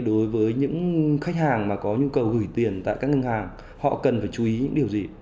đối với những khách hàng mà có nhu cầu gửi tiền tại các ngân hàng họ cần phải chú ý những điều gì